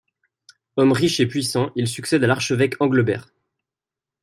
Homme riche et puissant, il succède à l'archevêque Anglebert.